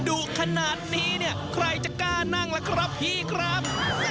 ดุขนาดนี้เนี่ยใครจะกล้านั่งล่ะครับพี่ครับ